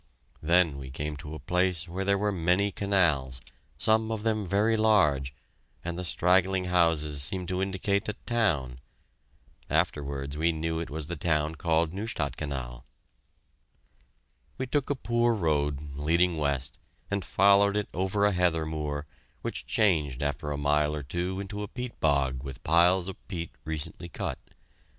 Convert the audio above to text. Then we came to a place where there were many canals, some of them very large, and the straggling houses seemed to indicate a town. Afterwards we knew it was the town called Nieuwstadskanaal. We took a poor road, leading west, and followed it over a heather moor, which changed after a mile or two into a peat bog with piles of peat recently cut.